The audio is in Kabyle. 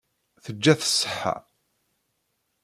Teǧǧa-t ṣṣeḥḥa.